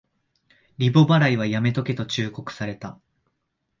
リボ払いはやめとけと忠告された